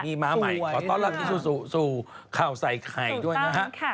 มีมาใหม่ขอต้อนรับที่ซู่ข่าวใส่ไข่ด้วยนะครับ